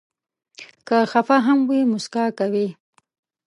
که خفه هم وي، مسکا کوي.